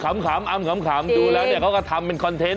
อำขำดูแล้วเขาก็ทำเป็นคอนเทนต์